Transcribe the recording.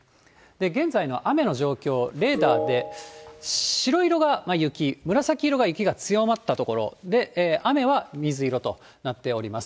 現在の雨の状況、レーダーで、白色が雪、紫色が雪が強まったところ、雨は水色となっております。